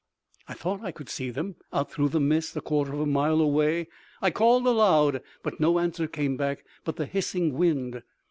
I thought I could see them, out through the mist, a quarter of a mile away. I called aloud, but no answer came back but the hissing wind.